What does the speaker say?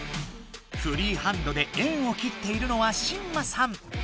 フリーハンドで円を切っているのはしんまさん。